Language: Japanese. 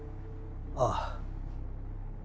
ああ。